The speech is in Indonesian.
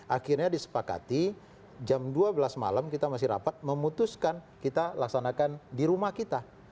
akhirnya disepakati jam dua belas malam kita masih rapat memutuskan kita laksanakan di rumah kita